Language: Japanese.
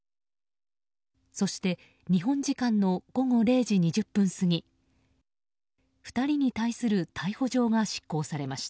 そして日本時間の午後０時２０分過ぎ２人に対する逮捕状が執行されました。